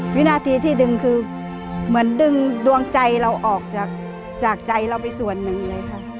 วินาทีที่ดึงคือเหมือนดึงดวงใจเราออกจากใจเราไปส่วนหนึ่งเลยค่ะ